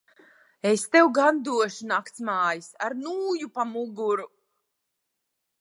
Es tev gan došu naktsmājas ar nūju pa muguru.